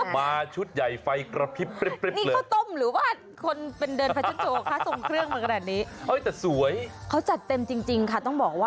ไปไฟกระพริป